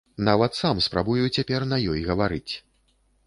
Нават сам спрабую цяпер на ёй гаварыць!